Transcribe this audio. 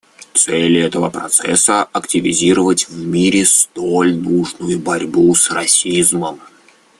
Цель этого процесса — активизировать в мире столь нужную борьбу с расизмом.